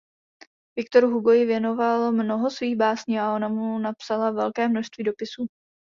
Victor Hugo jí věnoval mnoho svých básní a ona mu napsala velké množství dopisů.